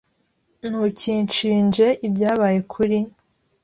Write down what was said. Ntukishinje ibyabaye kuri .